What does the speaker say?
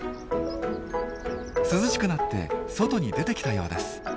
涼しくなって外に出てきたようです。